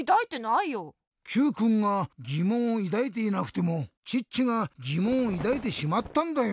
Ｑくんがぎもんをいだいていなくてもチッチがぎもんをいだいてしまったんだよ。